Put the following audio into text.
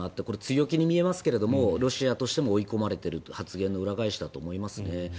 これ、強気に見えますがロシアとしても追い込まれているという発言の裏返しだと思いますね。